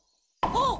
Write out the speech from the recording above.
あっ。